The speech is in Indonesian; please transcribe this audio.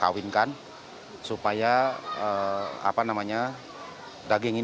kita kawinkan supaya daging ini bukan hanya asuh tetapi tohiban